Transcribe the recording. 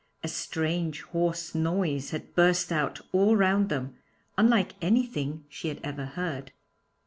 A strange hoarse noise had burst out all round them, unlike anything she had ever heard.